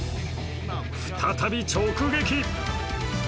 再び直撃。